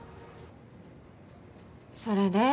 それで？